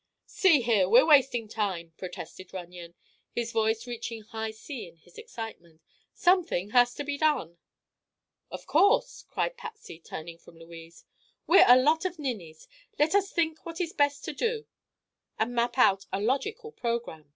"See here; we're wasting time," protested Runyon, his voice reaching high C in his excitement. "Something must be done!" "Of course," cried Patsy, turning from Louise. "We're a lot of ninnies. Let us think what is best to do and map out a logical program."